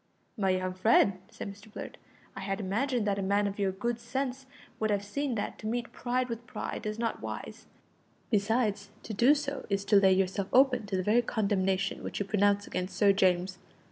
"My young friend," said Mr Blurt, "I had imagined that a man of your good sense would have seen that to meet pride with pride is not wise; besides, to do so is to lay yourself open to the very condemnation which you pronounce against Sir James.